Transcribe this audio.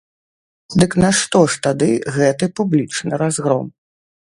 Дык нашто ж тады гэты публічны разгром?